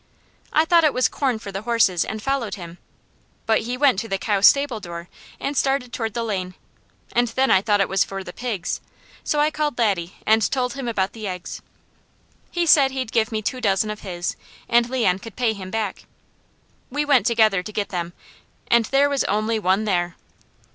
I thought it was corn for the horses, and followed him, but he went to the cow stable door and started toward the lane, and then I thought it was for the pigs, so I called Laddie and told him about the eggs. He said he'd give me two dozen of his, and Leon could pay him back. We went together to get them, and there was only one there.